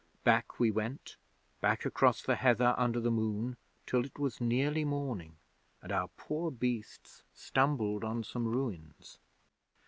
Back we went back across the heather under the moon, till it was nearly morning, and our poor beasts stumbled on some ruins.